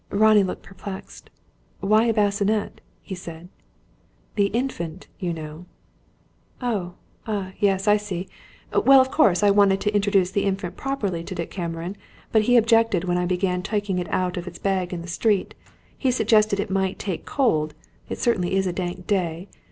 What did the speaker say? Ronnie looked perplexed. "Why a bassinet?" he said. "The Infant, you know." "Oh ah, yes, I see. Well, of course I wanted to introduce the Infant properly to Dick Cameron, but he objected when I began taking it out of its bag in the street. He suggested that it might take cold it certainly is a dank day.